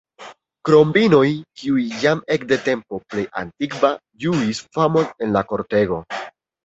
Krom vinoj, kiuj jam ekde tempo plej antikva ĝuis famon en la kortego.